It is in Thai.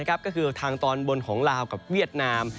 ก็คือทางตอนบนของลาวกับเวียดนาม